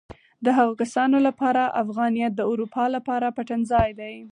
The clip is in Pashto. د هغو کسانو لپاره افغانیت د اروپا لپاره پټنځای دی.